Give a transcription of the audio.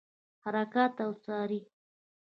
حرکات وڅاري.